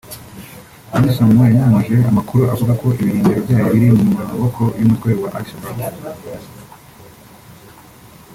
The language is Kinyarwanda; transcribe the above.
Amisom yanyomoje amakuru avuga ko ibirindiro byayo biri mu maboko y’umutwe wa Al-Shabaab